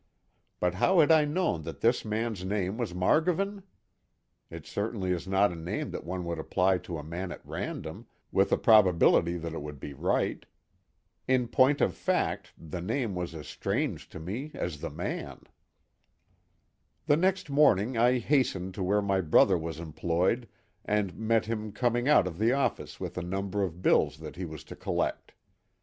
But how had I known that this man's name was Margovan? It certainly is not a name that one would apply to a man at random, with a probability that it would be right. In point of fact, the name was as strange to me as the man. The next morning I hastened to where my brother was employed and met him coming out of the office with a number of bills that he was to collect.